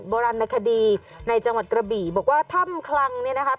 โบราณคดีในจังหวัดกระบี่บอกว่าถ้ำคลังเนี่ยนะคะ